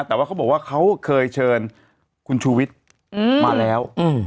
แต่ว่าเขาบอกว่าเขาเคยเชิญคุณชูวิทย์มาแล้ว